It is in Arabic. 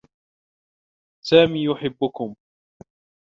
سامي يحبّكم.